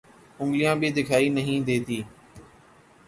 انگلیاں بھی دیکھائی نہیں دیتی